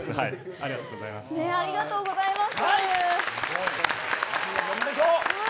ありがとうございます。